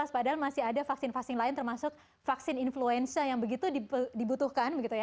padahal masih ada vaksin vaksin lain termasuk vaksin influenza yang begitu dibutuhkan